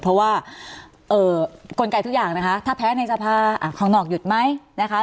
เพราะว่ากลไกทุกอย่างนะคะถ้าแพ้ในสภาข้างนอกหยุดไหมนะคะ